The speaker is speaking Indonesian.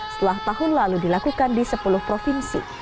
setelah tahun lalu dilakukan di sepuluh provinsi